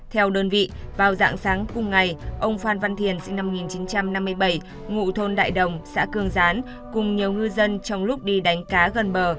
theo đơn vị vào dạng sáng cùng ngày ông phan văn thiền sinh năm một nghìn chín trăm năm mươi bảy ngụ thôn đại đồng xã cương gián cùng nhiều ngư dân trong lúc đi đánh cá gần bờ